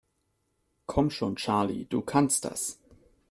Komm schon, Charlie, du kannst das!